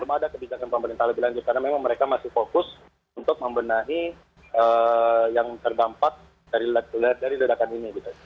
belum ada kebijakan pemerintah lebih lanjut karena memang mereka masih fokus untuk membenahi yang terdampak dari ledakan ini